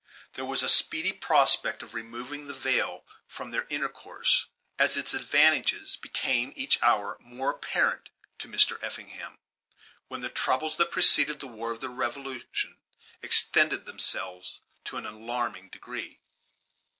There was a speedy prospect of removing the veil from their intercourse, as its advantages became each hour more apparent to Mr. Effingham, when the troubles that preceded the war of the Revolution extended themselves to an alarming degree.